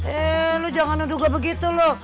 eh lo jangan ngeduga begitu lo